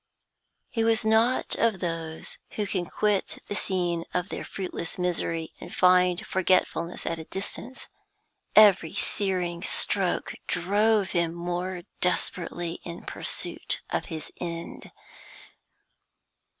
He was not of those who can quit the scene of their fruitless misery and find forgetfulness at a distance. Every searing stroke drove him more desperately in pursuit of his end.